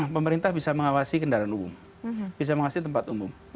pemerintah bisa mengawasi kendaraan umum bisa mengawasi tempat umum